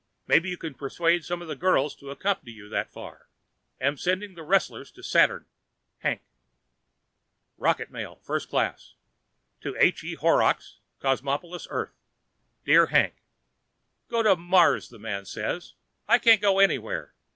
MAYBE YOU CAN PERSUADE SOME OF THE GIRLS TO ACCOMPANY YOU THAT FAR. AM SENDING THE WRESTLERS TO SATURN. HANK ROCKET MAIL (First Class) To: H. E. Horrocks, Cosmopolis, Earth Dear Hank: Go to Mars, the man says. I can't go anywhere.